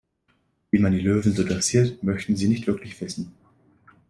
Wie man die Löwen so dressiert, möchten Sie nicht wirklich wissen.